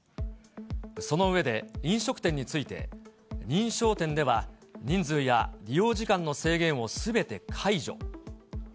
その上で、飲食店について、認証店では、人数や利用時間の制限をすべて解除。